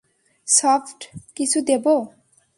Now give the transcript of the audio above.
Soft কিছু দেব?